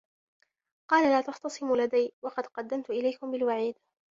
قالَ لا تَختَصِموا لَدَيَّ وَقَد قَدَّمتُ إِلَيكُم بِالوَعيدِ